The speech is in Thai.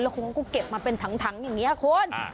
แล้วคุณก็เก็บมาเป็นถังอย่างนี้ครับคุณ